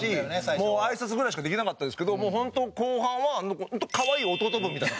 もうあいさつぐらいしかできなかったですけどもう本当後半は可愛い弟分みたいな。